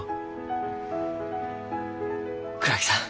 倉木さん